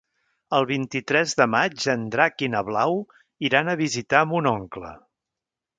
El vint-i-tres de maig en Drac i na Blau iran a visitar mon oncle.